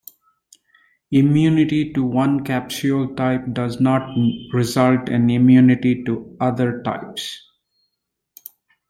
Immunity to one capsule type does not result in immunity to the other types.